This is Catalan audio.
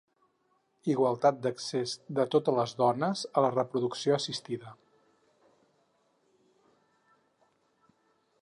Igualtat d'accés de totes les dones a la reproducció assistida.